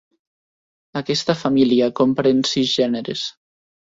Aquesta família comprèn sis gèneres.